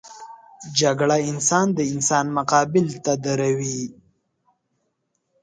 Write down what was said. جګړه انسان د انسان مقابل ته دروي